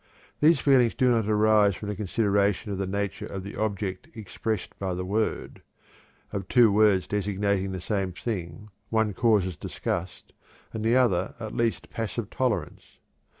These feelings do not arise from the consideration of the nature of the object expressed by the word; of two words designating the same thing, one causes disgust and the other at least passive tolerance.